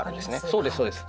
そうですそうです。